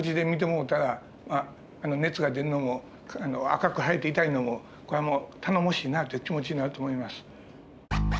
もうたらまあ熱が出るのも赤く腫れて痛いのもこれはもう頼もしいなという気持ちになると思います。